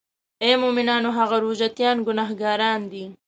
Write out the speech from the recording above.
آی مومنانو هغه روژه تیان ګناهګاران دي.